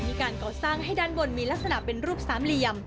มีการก่อสร้างให้ด้านบนมีลักษณะเป็นรูปสามเหลี่ยม